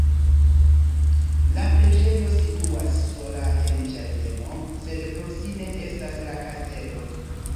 La preĝejo situas sola en ĝardeno, sed proksime estas la kastelo.